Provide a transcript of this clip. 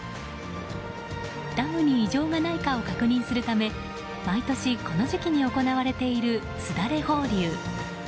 ダムに異常がないかを確認するため毎年、この時期に行われているすだれ放流。